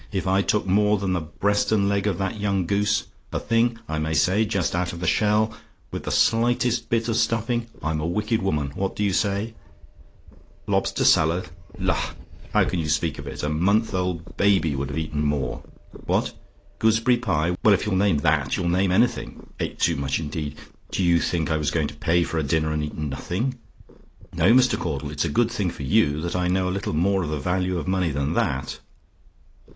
If I took more than the breast and leg of that young goose a thing, I may say, just out of the shell with the slightest bit of stuffing, I'm a wicked woman. What do you say? "LOBSTER SALAD? "La! how can you speak of it? A month old baby would have eaten more. What? "GOOSEBERRY PIE? "Well, if you'll name that you'll name anything. Ate too much indeed! Do you think I was going to pay for a dinner, and eat nothing? No, Mr. Caudle; it's a good thing for you that I know a little more of the value of money than that.